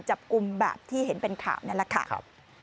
จับกลุ่มแบบที่เห็นเป็นข่าวนั่นแหละค่ะ